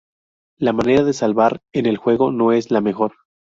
La manera de salvar en el juego no es la mejor.